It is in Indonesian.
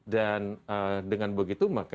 dan dengan begitu maka